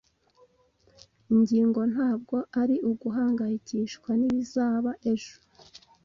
Ingingo ntabwo ari uguhangayikishwa nibizaba ejo.